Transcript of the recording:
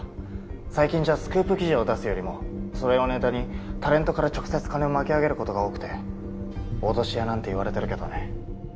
最近じゃスクープ記事を出すよりもそれをネタにタレントから直接金を巻き上げることが多くて脅し屋なんて言われてるけどね。